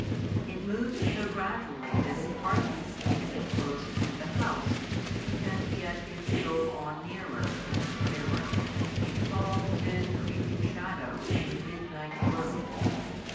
It moved so gradually that it hardly seemed to come closer to the house; and yet it stole on nearer and nearer, a tall, thin, creeping shadow in the midnight gloom.